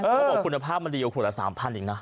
เขาบอกคุณภาพมันดีอยู่กว่าคุณภาพ๓๐๐๐อีกนะ